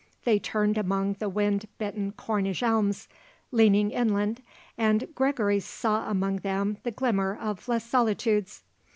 They turned among wind bitten Cornish elms, leaning inland, and Gregory saw among them the glimmer of Les Solitudes.